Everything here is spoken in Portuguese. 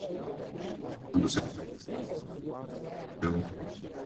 Alá no céu, Aiatolá na Terra